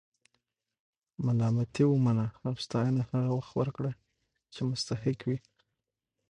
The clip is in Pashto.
ملامتي ومنه او ستاینه هغه وخت ورکړه چې مستحق وي.